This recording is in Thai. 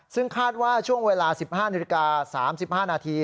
ซึ่งคาดว่าช่วงเวลา๑๕นาฬิกา๓๕นาที